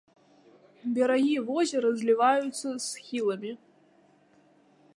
Берагі возера зліваюцца з схіламі.